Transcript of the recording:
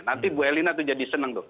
nanti bu elina itu jadi senang